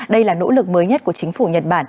đây là nỗ lực mới nhất của chính phủ nhật bản